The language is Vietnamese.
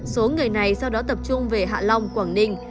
số người này sau đó tập trung về hạ long quảng ninh